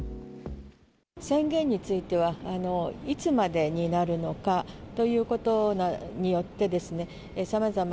宣言については、いつまでになるのかということによってですね、さまざま、